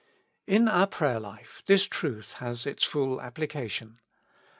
' In our prayer life this truth has its full application.